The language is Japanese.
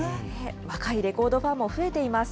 若いレコードファンも増えています。